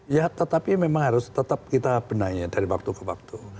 ya tetapi memang harus tetap kita benahi dari waktu ke waktu